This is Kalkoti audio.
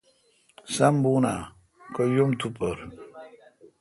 سم بونہ کہ یم تو پر۔